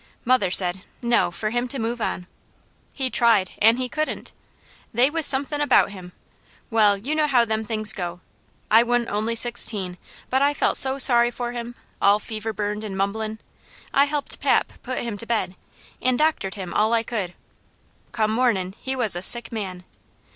Mother said, 'No, for him to move on.' He tried an' he couldn't. They was somethin' about him well, you know how them things go! I wa'n't only sixteen, but I felt so sorry for him, all fever burned and mumblin', I helped pap put him to bed, an' doctored him all I could. Come mornin' he was a sick man.